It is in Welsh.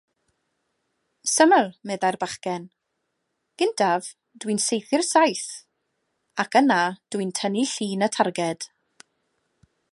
“Syml”, meddai'r bachgen, “gyntaf dwi'n saethu'r saeth, ac yna dwi'n tynnu llun y targed”.